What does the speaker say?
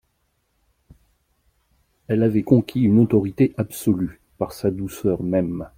Elle avait conquis une autorité absolue, par sa douceur même.